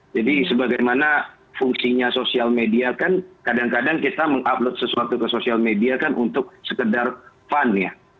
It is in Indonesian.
jadi sebagaimana fungsinya sosial media kan kadang kadang kita mengupload sesuatu ke sosial media kan untuk sekedar fun ya